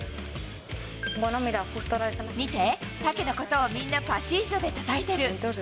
見て、タケのことをみんなパシージョでたたえている。